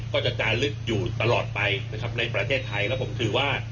ก็จะจาลึกอยู่ตลอดไปนะครับในประเทศไทยแล้วผมถือว่า